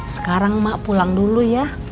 sekarang mak pulang dulu ya